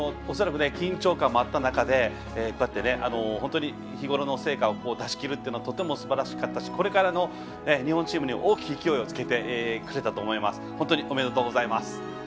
恐らく緊張感もあった中でこうやって、本当に日ごろの成果を出しきるというのはとてもすばらしかったしこれからの日本チームに大きく勢いをつけてくれたと思います。